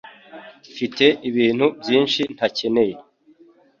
Mfite ibintu byinshi ntakeneye